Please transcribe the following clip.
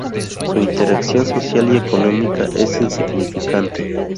Su interacción social y económica es insignificante.